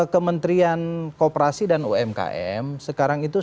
kementrian koperasi dan umkm sekarang itu